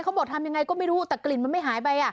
เขาบอกทำยังไงก็ไม่รู้แต่กลิ่นมันไม่หายไป